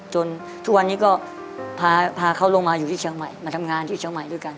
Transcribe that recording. ทุกวันนี้ก็พาเขาลงมาอยู่ที่เชียงใหม่มาทำงานที่เชียงใหม่ด้วยกัน